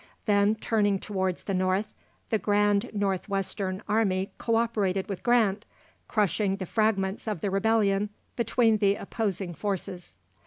Then, turning towards the North, the grand North Western army co operated with Grant, "crushing the fragments of the rebellion between the opposing forces."